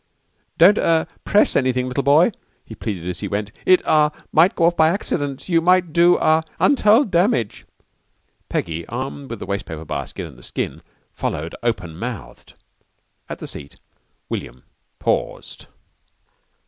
"Don't er press anything, little boy," he pleaded as he went. "It ah might go off by accident. You might do ah untold damage." Peggy, armed with the wastepaper basket and the skin, followed open mouthed. At the seat William paused.